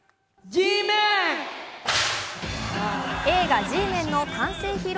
映画「Ｇメン」の完成披露